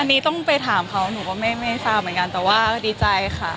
อันนี้ต้องไปถามเขาหนูก็ไม่ทราบเหมือนกันแต่ว่าดีใจค่ะ